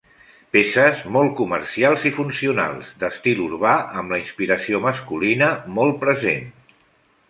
Peces molt comercials i funcionals, d'estil urbà, amb la inspiració masculina molt present.